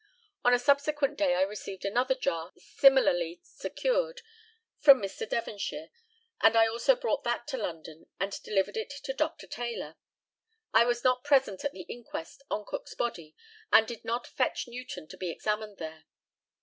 On a subsequent day I received another jar, similarly secured, from Mr. Devonshire, and I also brought that to London and delivered it to Dr. Taylor. I was not present at the inquest on Cook's body, and did not fetch Newton to be examined there.